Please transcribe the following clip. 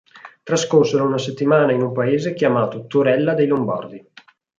Trascorsero una settimana in un paese chiamato Torella dei Lombardi.